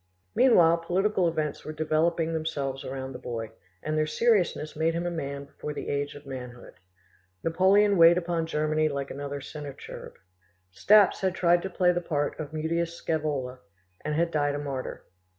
Meanwhile political events were developing themselves around the boy, and their seriousness made him a man before the age of manhood. Napoleon weighed upon Germany like another Sennacherib. Staps had tried to play the part of Mutius Scaevola, and had died a martyr.